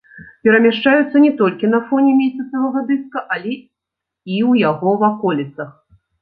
Перамяшчаюцца не толькі на фоне месяцавага дыска, але і ў яго ваколіцах.